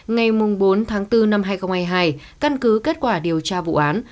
ngày bốn tháng bốn năm hai nghìn hai mươi hai căn cứ kết quả điều tra vụ án